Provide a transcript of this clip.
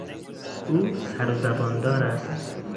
او سر و زباندار است.